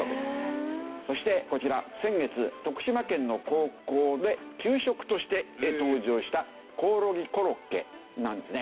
そしてこちら先月徳島県の高校で給食として登場したコオロギコロッケなんですね。